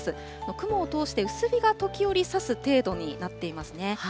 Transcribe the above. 雲を通して、薄日が時折さす程度になっていますね。